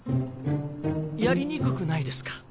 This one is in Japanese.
やりにくくないですか？